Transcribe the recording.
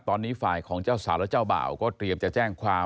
ตอนนี้ฝ่ายของเจ้าสาวและเจ้าบ่าวก็เตรียมจะแจ้งความ